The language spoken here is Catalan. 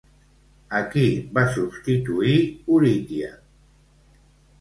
A qui va substituir Oritia?